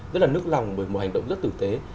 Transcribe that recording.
rất là nức lòng bởi một hành động rất tử tế